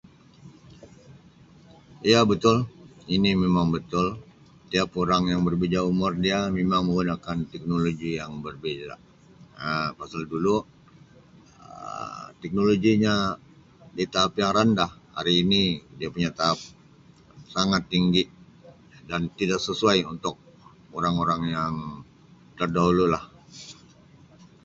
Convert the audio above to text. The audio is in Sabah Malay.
Ya betul ini memang betul tiap urang yang berbeja umur dia mimang menggunakan teknologi yang berbeza Um pasal dulu Um teknologinya di taap yang rendah hari ini dia punya taap sangat tinggi dan tidak sesuai untuk orang-orang yang terdahulu lah.